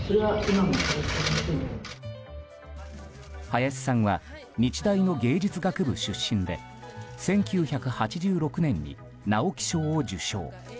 林さんは日大の芸術学部出身で１９８６年に直木賞を受賞。